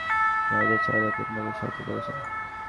এরপর একজন voter vote দিতে সহায়তা চাইলে তিনি তাঁকে সহায়তা করেছেন।